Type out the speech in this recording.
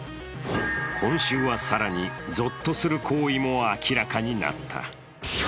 今週は、更にぞっとする行為も明らかになった。